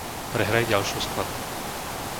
Prehraj ďalšiu skladbu.